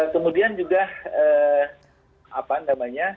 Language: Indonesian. kemudian juga apa namanya